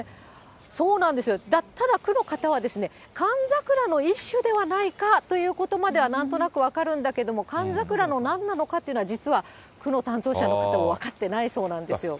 そうなんですよ、ただ区の方は、寒桜の一種ではないかということまでは、なんとなく分かるんだけども、寒桜のなんなのかっていうのは、実は、区の担当者の方も分かってないそうなんですよ。